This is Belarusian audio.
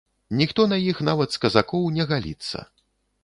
Ніхто на іх, нават з казакоў, не галіцца.